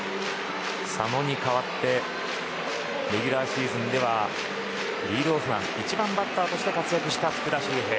佐野に代わってレギュラーシーズンではリードオフマン１番バッターとして活躍した福田周平。